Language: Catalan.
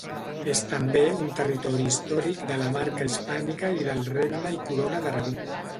És també un territori històric de la Marca Hispànica i del Regne i Corona d'Aragó.